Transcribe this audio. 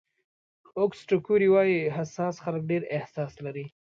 اوګسټو کوري وایي حساس خلک ډېر احساس لري.